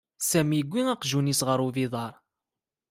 Sami yewwi aqjun-is ɣer ubiḍar.